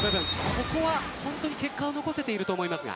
ここは結果を残せていると思います。